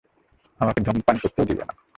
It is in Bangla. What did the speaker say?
আমাকে ধূমপান করতেও দিবে না।